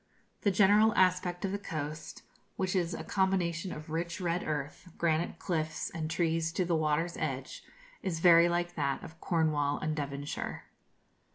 The general aspect of the coast, which is a combination of rich red earth, granite cliffs, and trees to the water's edge, is very like that of Cornwall and Devonshire.